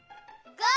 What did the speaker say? ゴー！